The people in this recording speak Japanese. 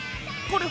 これ。